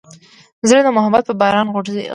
زړه د محبت په باران غوړېږي.